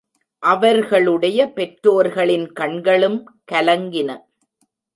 அவர்களுடைய பெற்றோர்களின் கண்களும் கலங்கின.